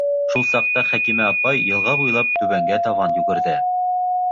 Шул саҡта Хәкимә апай йылға буйлап түбәнгә табан югерҙе.